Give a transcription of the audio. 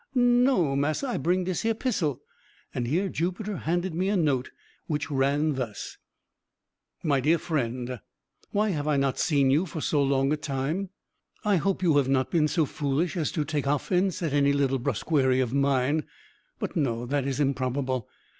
"No, massa, I bring dis here pissel;" and here Jupiter handed me a note which ran thus: "My Dear : Why have I not seen you for so long a time? I hope you have not been so foolish as to take offence at any little brusquerie of mine; but no, that is improbable.